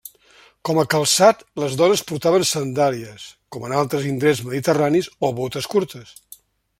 Com a calçat, les dones portaven sandàlies, com en altres indrets mediterranis, o botes curtes.